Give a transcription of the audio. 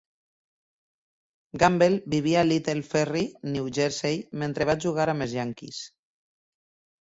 Gamble vivia a Little Ferry, New Jersey mentre va jugar amb els Yankees.